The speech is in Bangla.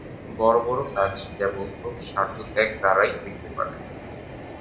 বড় বড় কাজ কেবল খুব স্বার্থত্যাগ দ্বারাই হইতে পারে।